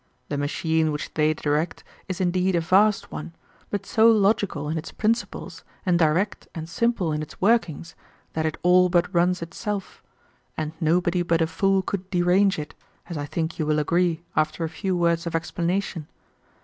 The machine which they direct is indeed a vast one, but so logical in its principles and direct and simple in its workings, that it all but runs itself; and nobody but a fool could derange it, as I think you will agree after a few words of explanation.